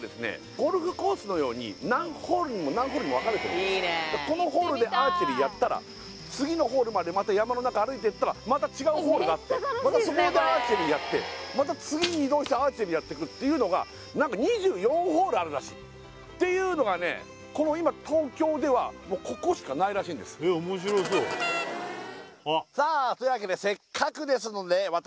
ゴルフコースのように何ホールにも何ホールにも分かれてるんですこのホールでアーチェリーやったら次のホールまでまた山の中歩いていったらまた違うホールがあってまたそこでアーチェリーやってまた次に移動してアーチェリーやってくっていうのが何か２４ホールあるらしいていうのがねこの今東京ではここしかないらしいんですさあというわけでせっかくですので私